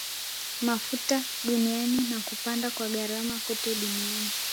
mafuta duniani na kupanda kwa gharama kote duniani